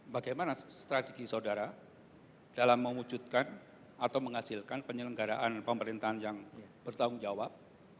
bagaimana strategi saudara dalam mewujudkan atau menghasilkan penyelenggaraan pemerintahan yang bertanggung jawab